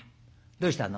「どうしたの？」。